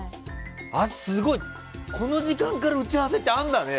すごい、この時間から打ち合わせってあるんだね。